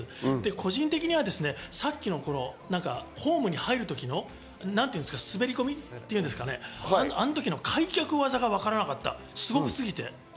個人的にはさっきのホームに入る時の滑り込み、あの時の開脚技がわからなかった、すごすぎて。